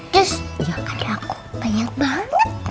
terus ada aku banyak banget